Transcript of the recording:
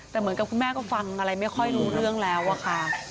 แต่เหมือนกับคุณแม่ก็ฟังอะไรไม่ค่อยรู้เรื่องแล้วอะค่ะ